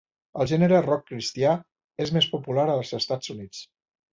El gènere rock cristià és més popular als Estats Units.